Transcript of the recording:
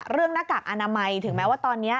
หน้ากากอนามัยถึงแม้ว่าตอนนี้